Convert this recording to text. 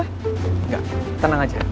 enggak tenang aja